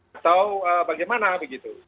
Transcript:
atau bagaimana begitu